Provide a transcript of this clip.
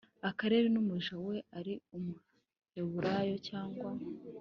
Areke n umuja we ari umuheburayo cyangwa